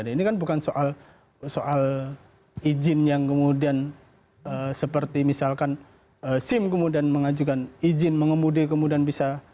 ini kan bukan soal izin yang kemudian seperti misalkan sim kemudian mengajukan izin mengemudi kemudian bisa